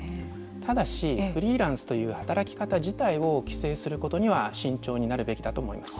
ただしフリーランスという働き方自体を規制することには慎重になるべきだと思います。